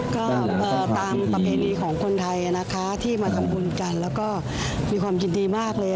ก็ตามประเพณีของคนไทยนะคะที่มาทำบุญกันแล้วก็มีความยินดีมากเลย